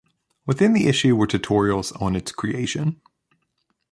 Within the issue were tutorials on its creation.